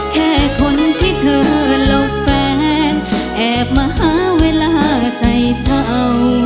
แค่คนที่เธอและแฟนแอบมาหาเวลาใจเช่า